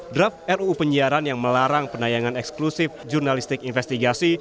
draft ruu penyiaran yang melarang penayangan eksklusif jurnalistik investigasi